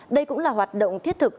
đây cũng là hoạt động thiết thực